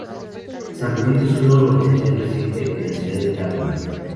San Benito es una urbanización reciente en la ciudad de Cabimas.